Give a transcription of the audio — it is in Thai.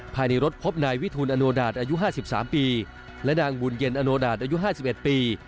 ภายในรถพบนายวิทูลอโนดาตอายุ๕๓ปีและนางบุญเย็นอโนดาตอายุ๕๑ปี